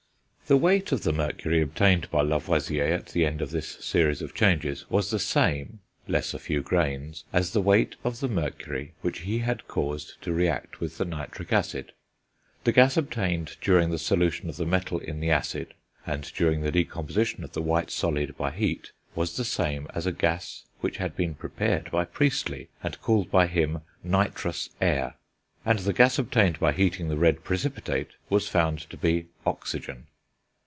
The weight of the mercury obtained by Lavoisier at the end of this series of changes was the same, less a few grains, as the weight of the mercury which he had caused to react with the nitric acid. The gas obtained during the solution of the metal in the acid, and during the decomposition of the white solid by heat, was the same as a gas which had been prepared by Priestley and called by him nitrous air; and the gas obtained by heating the red precipitate was found to be oxygen.